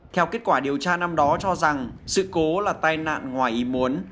theo kết quả điều tra năm đó cho rằng sự cố là tai nạn ngoài ý muốn